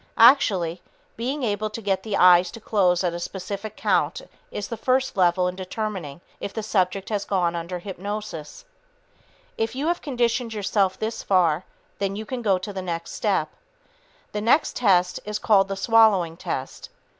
Actually, being able to get the eyes to close at a specific count is the first test in determining if the subject has gone under hypnosis. If you have conditioned yourself this far, then you can go to the next step. The next test is called the "swallowing" test.